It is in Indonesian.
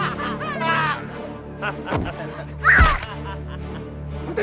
hajar hajar aku